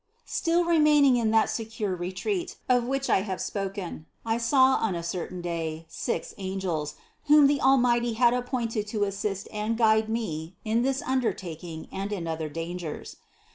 4. Still remaining in that secure retreat of which I have spoken, I saw on a certain day, six angels, whom the Almighty had appointed to assist and guide me in this undertaking and in other dangers.